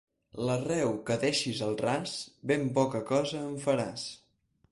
L'arreu que deixis al ras, ben poca cosa en faràs.